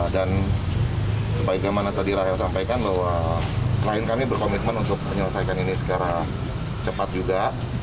dan sebaiknya mana tadi rahel sampaikan bahwa klien kami berkomitmen untuk menyelesaikan ini sekarang cepat juga